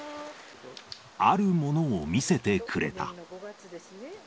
あるものを見せてくれた。